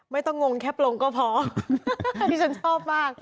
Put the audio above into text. ไม่ต้องงงแค่ปลงก็พอที่ฉันชอบมาก